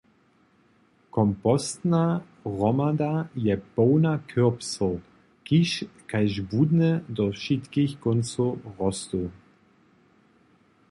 Kompostowa hromada je połna kirbsow, kiž kaž błudne do wšitkich kóncow rostu.